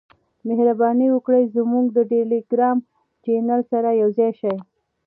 مهرباني وکړئ زموږ د ټیلیګرام چینل سره یوځای شئ .